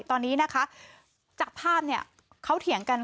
ตอนนี้นะคะจากภาพเนี่ยเขาเถียงกัน